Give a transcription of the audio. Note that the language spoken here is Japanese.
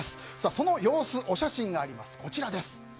その様子、お写真があります。